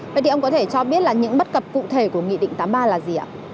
vậy thì ông có thể cho biết là những bất cập cụ thể của nghị định tám mươi ba là gì ạ